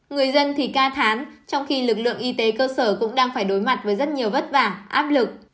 người dân thì ca thán trong khi lực lượng y tế cơ sở cũng đang phải đối mặt với rất nhiều vất vả áp lực